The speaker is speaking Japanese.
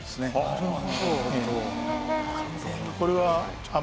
なるほど。